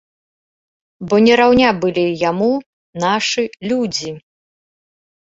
Бо не раўня былі яму нашы людзі.